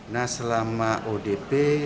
nah selama odp